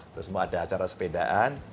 terus mau ada acara sepedaan